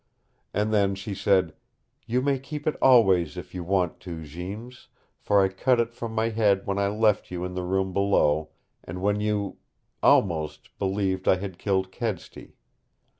And then she said: "You may keep it always if you want to, Jeems, for I cut it from my head when I left you in the room below, and when you almost believed I had killed Kedsty.